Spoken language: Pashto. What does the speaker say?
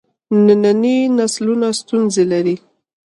ننني نسلونه ستونزې لري.